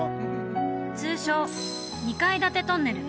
通称二階建てトンネル